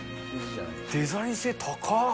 デザイン性高っ。